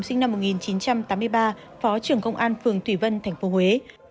đại úy trần duy hùng sinh năm một nghìn chín trăm tám mươi ba phó trưởng công an phường thủy vân tp huế